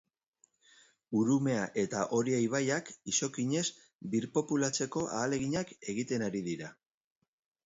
Urumea eta Oria ibaiak izokinez birpopulatzeko ahaleginak egiten ari dira.